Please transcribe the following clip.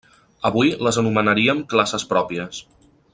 Avui les anomenaríem classes pròpies.